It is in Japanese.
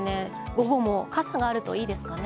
午後も傘があるといいですかね。